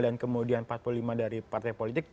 dan kemudian empat puluh lima dari partai politik